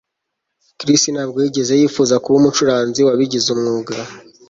Chris ntabwo yigeze yifuza kuba umucuranzi wabigize umwuga